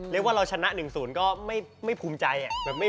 เรียกว่าเราชนะ๑โซนก็ไม่ภูมิใจ